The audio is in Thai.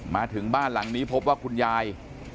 มาถึงบ้านหลังนี้พบว่าคุณยาย